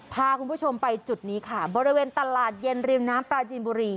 พาคุณผู้ชมไปจุดนี้ค่ะบริเวณตลาดเย็นริมน้ำปลาจีนบุรี